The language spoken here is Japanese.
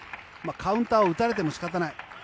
カウンターを打たれても仕方ない。